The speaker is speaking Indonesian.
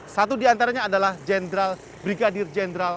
satu di antaranya adalah jenderal brigadir jenderal